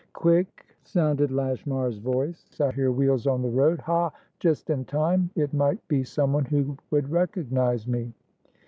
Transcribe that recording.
"Quick!" sounded Lashmar's voice. "I hear wheels on the road. Ha! Just in time! It might be someone who would recognise me."